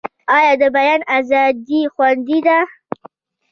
آیا د بیان ازادي خوندي ده؟